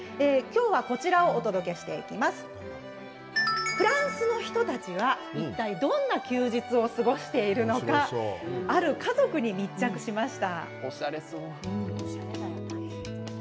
今日はフランスの人たちはいったいどんな休日を過ごしているのかある家族に密着しました。